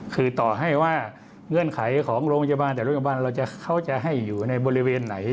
คือต่อให้ว่าเงื่อนไขของโรงพยาบาลแต่โรงพยาบาลเขาจะให้อยู่ในบริเวณไหน